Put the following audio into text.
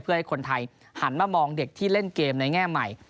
เพื่อให้คนไทยหันมามองเด็กที่เล่นเกมในแง่ใหม่